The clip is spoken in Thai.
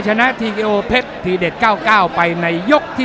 ชนะทีกิโอเพชรทีเด็ด๙๙ไปในยกที่๓